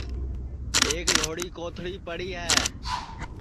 ایک لھوڑی کوتھݪی پڑی ہے